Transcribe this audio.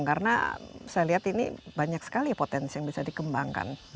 karena saya lihat ini banyak sekali potensi yang bisa dikembangkan